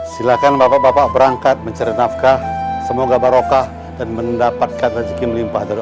silakan bapak bapak berangkat mencari nafkah semoga barokah dan mendapatkan rezeki melimpah darah